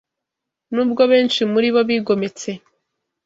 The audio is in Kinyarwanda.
Nubwo benshi muri bo bigometse